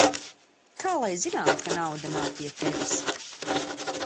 Kā lai zinām, ka nauda nav pie tevis?